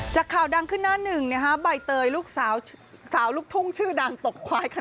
จากข่าวดังขึ้นหน้า๑ใบเตยลูกสาวลูกทุ่งชื่อดังตกควาย